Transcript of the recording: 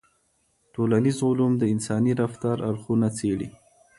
ټولنيز علوم د انساني رفتار اړخونه څېړي.